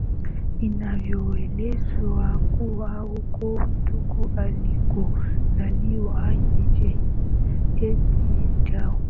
inavyoelezwa kuwa huko ndiko alikozaliwa Kinjeketile Ngwale